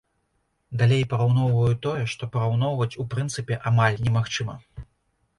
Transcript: Далей параўноўваю тое, што параўноўваць у прынцыпе амаль немагчыма.